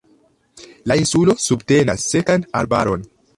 La insulo subtenas sekan arbaron.